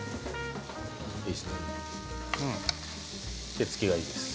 手つきがいいです。